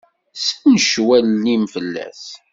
Ssencew allen-im fell-as!